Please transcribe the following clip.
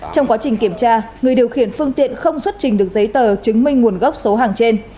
trong quá trình kiểm tra người điều khiển phương tiện không xuất trình được giấy tờ chứng minh nguồn gốc số hàng trên